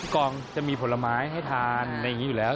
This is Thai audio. กองจะมีผลไม้ให้ทานอะไรอย่างนี้อยู่แล้ว